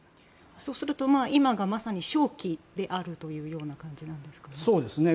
そうすると、今がまさに商機であるという感じなんですかね。